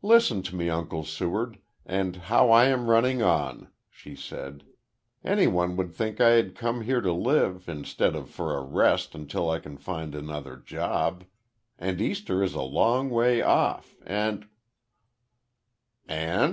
"Listen to me, Uncle Seward, and how I am running on," she said. "Any one would think I had come here to live, instead of for a rest until I can find another job. And Easter is a long way off, and " "And?